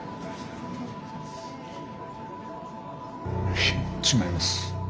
いえ違います。